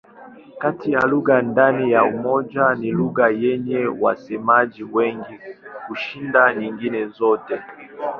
Kati ya lugha ndani ya Umoja ni lugha yenye wasemaji wengi kushinda nyingine zote.